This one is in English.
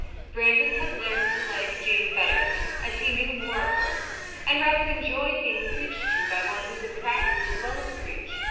Brandon had learned to like Jane better as he knew more of her, and rather enjoyed being preached to by one who could practise as well as preach.